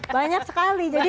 banyak sekali jadi